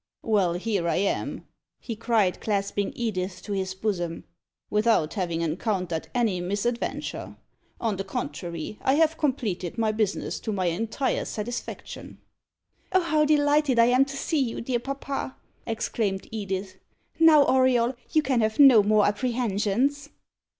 "Well, here I am!" he cried, clasping Edith to his bosom, "without having encountered any misadventure. On the contrary, I have completed my business to my entire satisfaction." "Oh, how delighted I am to see you, dear papa!" exclaimed Edith. "Now, Auriol, you can have no more apprehensions."